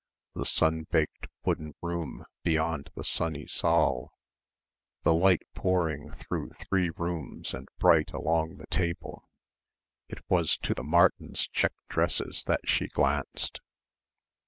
the sunbaked wooden room beyond the sunny saal, the light pouring through three rooms and bright along the table ... it was to the Martins' check dresses that she glanced.